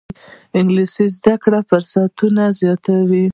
انګلیسي زده کړه فرصتونه زیاتوي